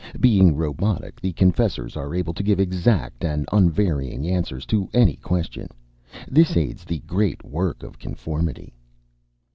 Being robotic, the confessors are able to give exact and unvarying answers to any question. This aids the great work of Conformity."